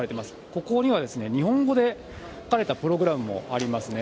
ここには日本語で書かれたプログラムもありますね。